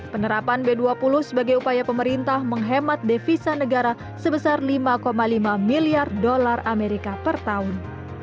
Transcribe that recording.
penerapan b dua puluh sebagai upaya pemerintah menghemat devisa negara sebesar lima lima miliar dolar amerika per tahun